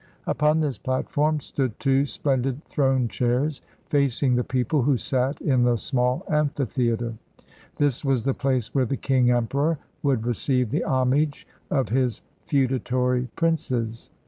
Upon this platform stood two splendid throne chairs facing the people who sat in the small amphitheater. This was the place where the King Emperor would re ceive the homage of his feudatory princes.